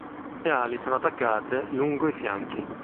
Le ali sono attaccate lungo i fianchi.